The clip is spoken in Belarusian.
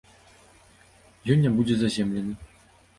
Ён не будзе заземлены.